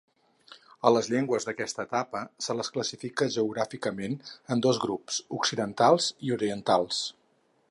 A les llengües d'aquesta etapa se les classifica geogràficament en dos grups: occidentals i orientals.